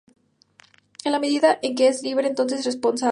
En la medida en que es libre es entonces responsable.